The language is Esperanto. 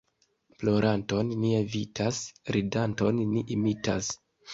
Ploranton ni evitas, ridanton ni imitas.